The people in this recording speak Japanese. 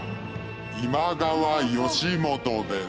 今川義元です。